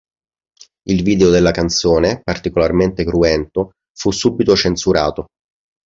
Il video della canzone, particolarmente cruento, fu subito censurato.